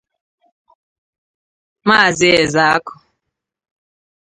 Maazị Ezeakụ